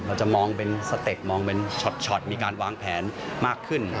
เราจะมองเป็นสเต็ปมองเป็นช็อตมีการวางแผนมากขึ้น